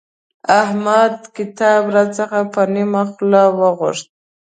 احمد کتاب راڅخه په نيمه خوله وغوښت.